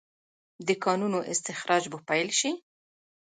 د کانونو استخراج به پیل شي؟